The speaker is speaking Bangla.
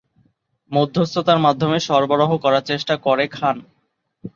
মধ্যস্থতার মাধ্যমে সরবরাহ সরবরাহ করার চেষ্টা করে খান।